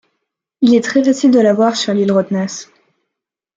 Il est très facile de la voir sur l'île Rottnest.